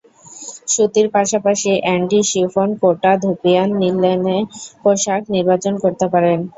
সুতির পাশাপাশি endi, chiffon, Kota, dupion, লিলেনের পোশাক নির্বাচন করতে পারেন।